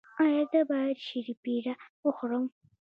ایا زه باید شیرپیره وخورم؟